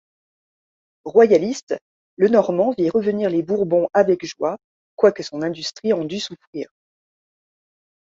Royaliste, Lenormand vit revenir les Bourbons avec joie, quoique son industrie en dût souffrir.